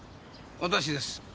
私です。